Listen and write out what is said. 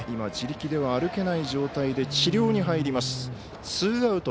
自力では歩けない状態で治療に入ります。